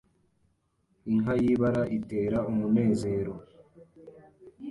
Inka yibara itera umunezero